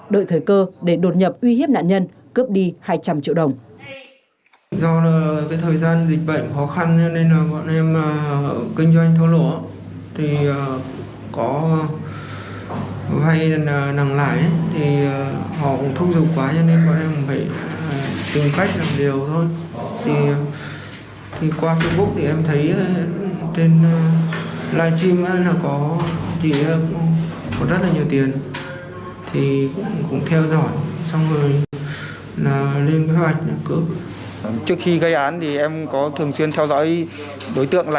đợi thời cơ để đột nhập uy hiếp nạn nhân cướp đi hai trăm linh triệu đồng